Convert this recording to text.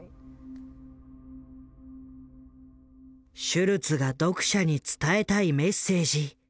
シュルツが読者に伝えたいメッセージ。